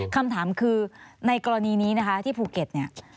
คำถามคือในกรณีนี้นะคะที่ภูเก็ตเนี่ย